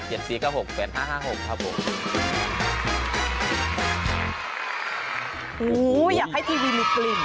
โอ้โหอยากให้ทีวีมีกลิ่น